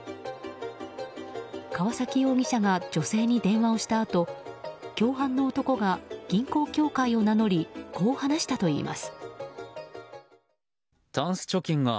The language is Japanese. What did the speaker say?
川崎容疑者が女性に電話をしたあと共犯の男が銀行協会を名乗りこう話したといいます。